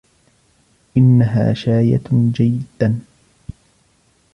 إنها شاية جداً.